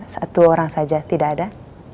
satu orang saja tidak ada